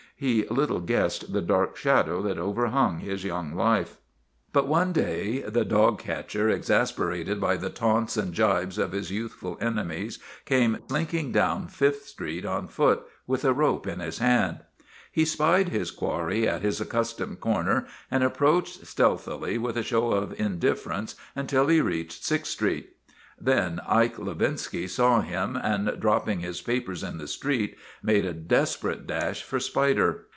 He little guessed the dark shadow that overhung his young life. But one day the dog catcher, exasperated by the taunts and gibes of his youthful enemies, came slink ing down Fifth Street on foot, with a rope in his hand. He spied his quarry at his accustomed corner and approached stealthily with a show of indifference until he reached Sixth Street. Then Ike Levinsky saw him and, dropping his papers in the street, made a desperate dash for Spider.